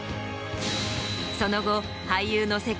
その後。